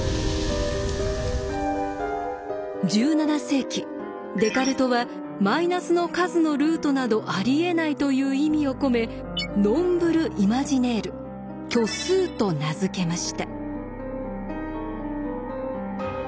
１７世紀デカルトはマイナスの数のルートなどありえないという意味を込め「ｎｏｍｂｒｅｉｍａｇｉｎａｉｒｅ」「虚数」と名付けました。